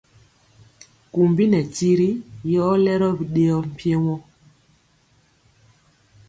Kumbi nɛ tiri yɔ lero bidɛɛɔ mpiemo.